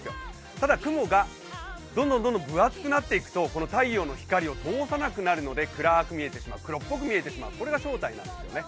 ただ、雲がどんどん分厚くなっていくと太陽の光を通さなくなるので暗くなってしまう、黒っぽく見えてしまう、これが正体なんですね。